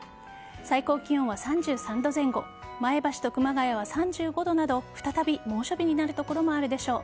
最高気温は３３度前後前橋と熊谷は３５度など再び猛暑日になる所もあるでしょう。